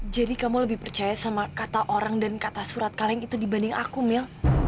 jadi kamu lebih percaya sama kata orang dan kata surat kalian itu dibanding aku mel